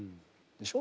でしょ？